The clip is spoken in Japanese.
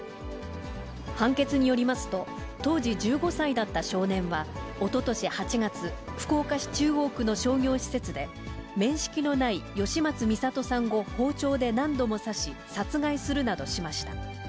判決によりますと、当時１５歳だった少年は、おととし８月、福岡市中央区の商業施設で、面識のない吉松弥里さんを包丁で何度も刺し、殺害するなどしました。